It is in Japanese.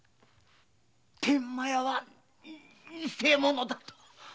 天満屋は偽者だと！